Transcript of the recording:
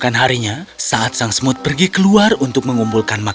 makan harinya saat sang smooth pergi keluar untuk mengumpulkan makanan